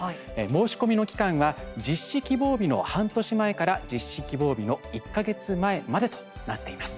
申し込みの期間は実施希望日の半年前から実施希望日の１か月前までとなっています。